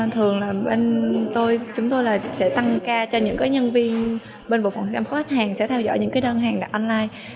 thường là bên tôi chúng tôi sẽ tăng ca cho những nhân viên bên bộ phận chăm sóc khách hàng sẽ theo dõi những đơn hàng đặt online